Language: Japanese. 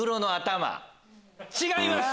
違います！